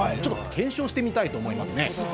検証してみたいと思います。